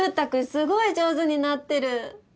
すごい上手になってる。